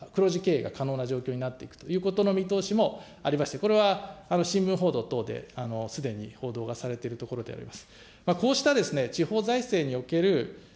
つまりはふちょうこうせいの交付なしで、黒字経営が可能になっていくということの見通しもありまして、これは新聞報道等ですでに報道がされているところであります。